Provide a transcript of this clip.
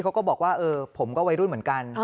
เขาก็บอกว่าเออผมก็วัยรุ่นเหมือนกัน